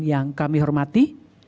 yang kami hormati